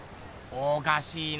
おかしいな。